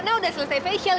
nenek udah selesai facial